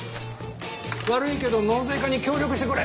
悪いけど納税課に協力してくれ。